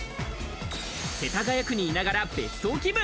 世田谷区にいながら別荘気分。